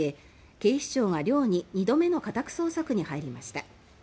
警視庁が寮に２度目の家宅捜索に入りました。